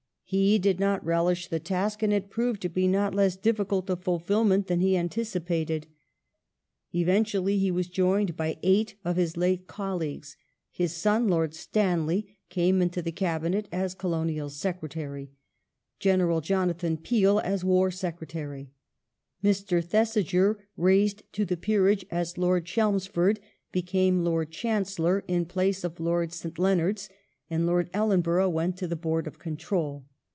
He did not relish the task, and it proved to be not less difficult of fulfilment than he anticipated. Eventually he was joined by eight of his late colleagues ;^ his son. Lord Stan ley, came into the Cabinet as Colonial Secretary, General Jonathan Peel as War Secretary, Mr. Thesiger (raised to the Peerage as Lord Chelmsford) became Lord Chancellor in place of Lord St. Leonards, and Lord Ellenborough went to the Board of Control.